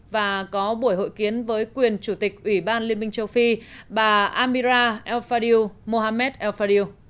và có buổi hội kiến với quyền quốc gia